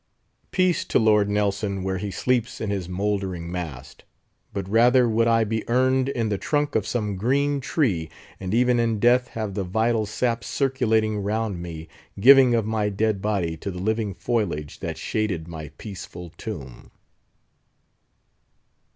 Peace to Lord Nelson where he sleeps in his mouldering mast! but rather would I be urned in the trunk of some green tree, and even in death have the vital sap circulating round me, giving of my dead body to the living foliage that shaded my peaceful tomb.